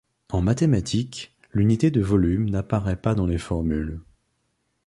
En mathématiques, l'unité de volume n'apparaît pas dans les formules.